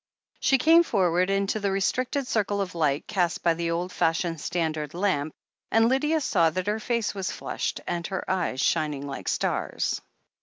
She came forward into the restricted circle of light cast by the old fashioned standard lamp, and Lydia saw that her face was flushed and her eyes shining like stars.